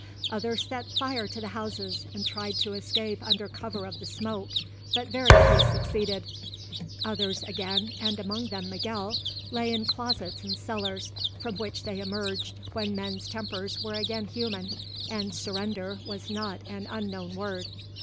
Others set fire to the houses and tried to escape under cover of the smoke; but very few succeeded. Others again, and among them Miguel, lay hid in closets and cellars, from which they emerged when men's tempers were again human and surrender was not an unknown word.